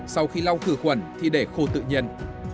sau khi lau khử khuẩn thì để khô tự nhiên